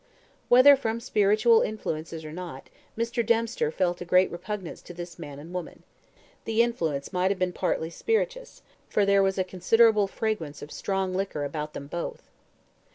Whether from spiritual influences or not, Mr. Dempster felt a great repugnance to this man and woman. The influence might have been partly spirituous, for there was a considerable fragrance of strong liquor about them both.